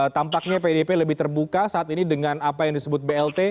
tampaknya pdip lebih terbuka saat ini dengan apa yang disebut blt